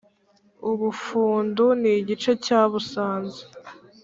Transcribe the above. u bufundu n'igice cya busanza.